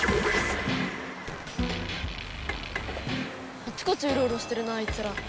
あちこちウロウロしてるなあいつら。